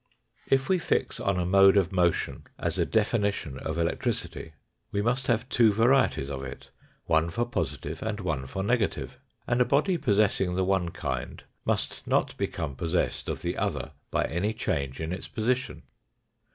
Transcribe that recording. If we fix on a mode of motion as a definition of electricity, we must have two varieties of it, one for positive and one for negative ; and a body possessing the one kind must not become possessed of the other by any change in its position.